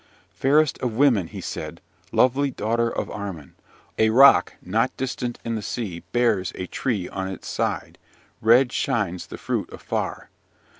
Fairest of women, he said, lovely daughter of Armin! a rock not distant in the sea bears a tree on its side; red shines the fruit afar.